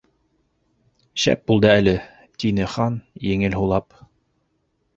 —Шәп булды әле, —тине Хан, еңел һулап.